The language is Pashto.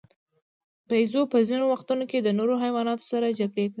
بیزو په ځینو وختونو کې د نورو حیواناتو سره جګړه کوي.